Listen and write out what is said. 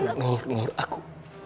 nur nur nur aku